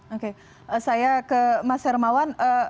oke saya ke mas hermawan